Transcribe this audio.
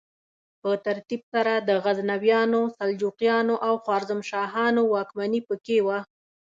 په ترتیب سره د غزنویانو، سلجوقیانو او خوارزمشاهیانو واکمني پکې وه.